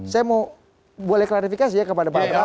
saya mau boleh klarifikasi ya kepada pak prabowo